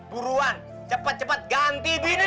buruan cepat cepat ganti bini